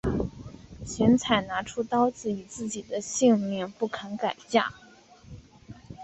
荀采拿出刀子以自己的性命威胁不肯改嫁。